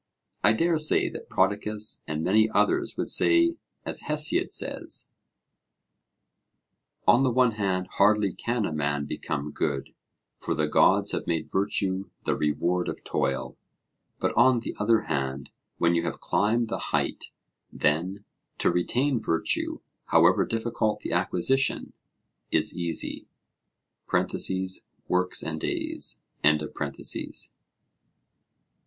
I dare say that Prodicus and many others would say, as Hesiod says, 'On the one hand, hardly can a man become good, For the gods have made virtue the reward of toil, But on the other hand, when you have climbed the height, Then, to retain virtue, however difficult the acquisition, is easy (Works and Days).'